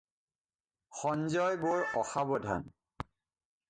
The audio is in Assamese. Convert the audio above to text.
সঞ্জয় বৰ অসাৱধান।